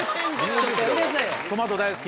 トマト大好き？